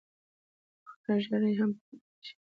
خړه ږیره یې هم پر مخ اېښې وه.